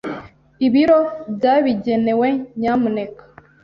Ibiro byabigenewe, nyamuneka.